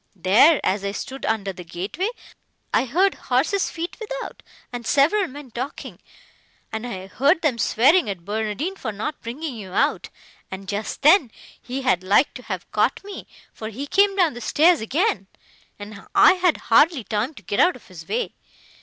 There, as I stood under the gateway, I heard horses' feet without, and several men talking; and I heard them swearing at Barnardine for not bringing you out, and just then, he had like to have caught me, for he came down the stairs again, and I had hardly time to get out of his way.